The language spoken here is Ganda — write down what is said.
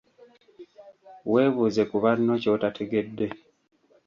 Weebuuze ku banno ky'otategedde.